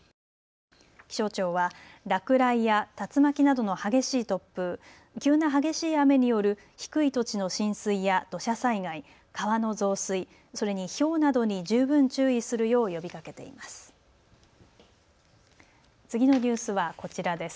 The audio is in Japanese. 気象庁は落雷や竜巻などの激しい突風、急な激しい雨による低い土地の浸水や土砂災害、川の増水、それにひょうなどに十分注意するよう呼びかけています。